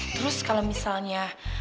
terus kalau misalnya